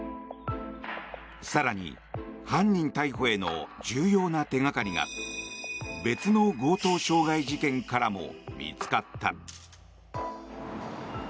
更に、犯人逮捕への重要な手掛かりが別の強盗傷害事件からも見つかった。